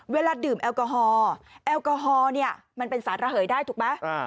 เวลาดื่มแอลกอฮอล์แอลกอฮอล์เนี่ยมันเป็นสารระเหยได้ถูกไหม